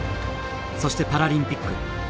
そしてパラリンピック。